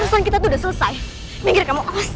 kesan kita tuh udah selesai minggir kamu oos